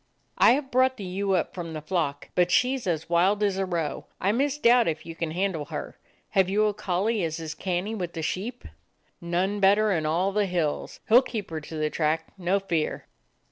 "I have brought the ewe up from the flock, but she 's as wild as a roe. I misdoubt if you can handle her. Have you a collie as is canny with the sheep ?" "None better in all the hills. He 'll keep her to the track, no fear."